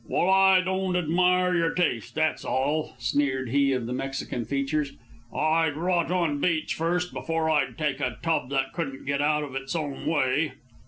"Well, I don't admire your taste, that's all," sneered he of the Mexican features. "I'd rot on the beach first before I'd take a tub that couldn't get out of its own way."